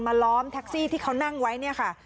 ล้อมแท็กซี่ที่เขานั่งไว้เนี่ยค่ะ